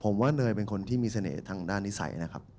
ผมว่าเนยเป็นคนที่มีเสน่ห์ทางด้านนิสัยนะครับ